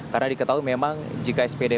karena diketahui memang jika spdp